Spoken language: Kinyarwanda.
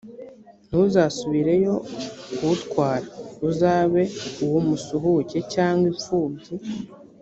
ntuzasubireyo kuwutwara; uzabe uw’umusuhuke, cyangwa impfubyi,